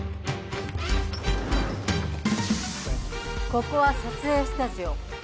ここは撮影スタジオ。